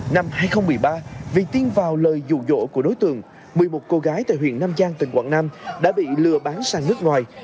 năm hai nghìn một mươi ba vì tiên vào lời dụ dỗ của đối tượng một mươi một cô gái tại huyện nam giang tỉnh quảng nam đã bị lừa bán sang nước ngoài